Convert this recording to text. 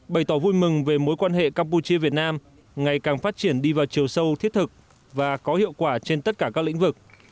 bày tỏ vui mừng về mối quan hệ campuchia việt nam ngày càng phát triển đi vào chiều sâu thiết thực và có hiệu quả trên tất cả các lĩnh vực